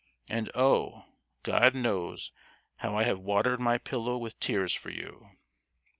And oh! God knows how I have watered my pillow with tears for you!"